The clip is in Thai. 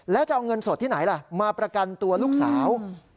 แล้วจะเอาเงินสดที่ไหนล่ะมาประกันตัวลูกสาว